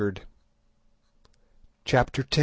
CHAPTER X.